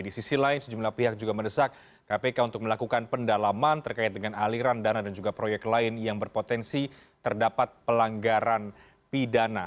di sisi lain sejumlah pihak juga mendesak kpk untuk melakukan pendalaman terkait dengan aliran dana dan juga proyek lain yang berpotensi terdapat pelanggaran pidana